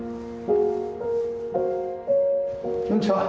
こんにちは。